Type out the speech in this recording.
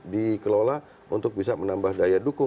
dikelola untuk bisa menambah daya dukung